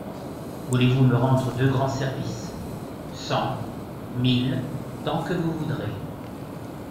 Voulez-vous me rendre deux grands services ? Cent, mille, tant que vous voudrez.